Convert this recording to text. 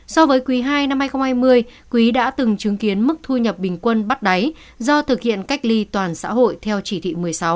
so với quý ii năm hai nghìn hai mươi quý đã từng chứng kiến mức thu nhập bình quân bắt đáy do thực hiện cách ly toàn xã hội theo chỉ thị một mươi sáu